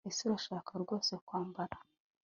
Ese Urashaka rwose kwambara